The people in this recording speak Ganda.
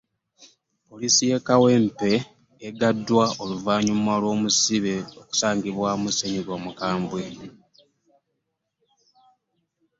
Poliisi y'e Kawempe eggaddwa oluvannyuma lw'omusibe okusangibwamu ssenyiga omukambwe